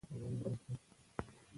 سیاسي بدلون د شعور له زیاتوالي سره راځي